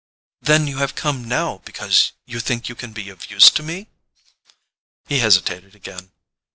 "Then you have come now because you think you can be of use to me?" He hesitated again.